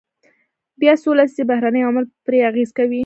بیا څو لسیزې بهرني عوامل پرې اغیز کوي.